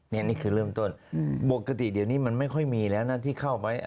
นี่คือเริ่มต้นปกติเดี๋ยวนี้มันไม่ค่อยมีแล้วนะที่เข้าไป